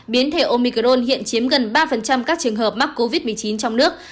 biến thể omicron hiện chiếm gần ba các trường hợp mắc covid một mươi chín trong nước